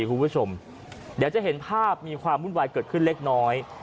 เดี๋ยวจะเห็นภาพมีความบุ่นวายเกิดขึ้นเล็กน้อย